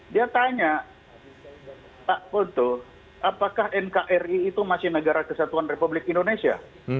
dia tanya pak foto apakah nkri itu masih negara kesatuan republik indonesia